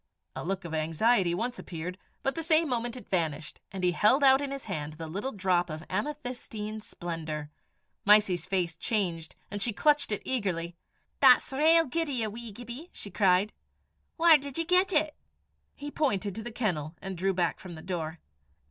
A look of anxiety once appeared, but the same moment it vanished, and he held out in his hand the little drop of amethystine splendour. Mysie's face changed, and she clutched it eagerly. "That's rale guid o' ye, wee Gibbie!" she cried. "Whaur did ye get it?" He pointed to the kennel, and drew back from the door.